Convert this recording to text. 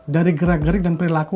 dari gerak gerik dan perilaku